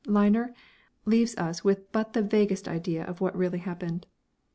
liner, leaves us with but the vaguest idea of what really happened.